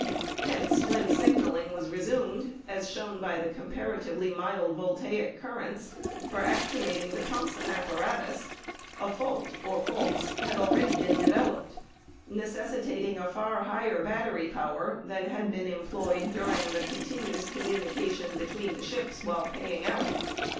Hence, when signaling was resumed, as shown by the comparatively mild voltaic currents, for actuating the Thomson apparatus, a fault (or faults) had been already developed, necessitating a far higher battery power than had been employed during the continuous communication between the ships while paying out.